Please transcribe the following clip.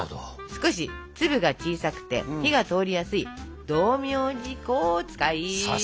少し粒が小さくて火が通りやすい道明寺粉を使います。